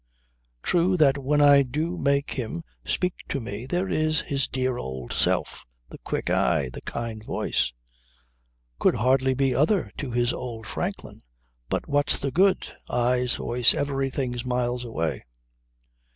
True that when I do make him speak to me, there is his dear old self, the quick eye, the kind voice. Could hardly be other to his old Franklin. But what's the good? Eyes, voice, everything's miles away.